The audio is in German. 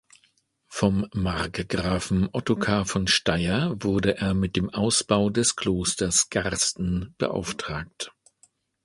Vom Markgrafen Ottokar von Steyr wurde er mit dem Ausbau des Klosters Garsten beauftragt.